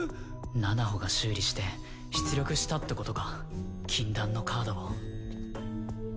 ナナホが修理して出力したってことか禁断のカードを。